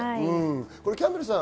キャンベルさん